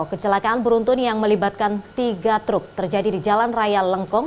kecelakaan beruntun yang melibatkan tiga truk terjadi di jalan raya lengkong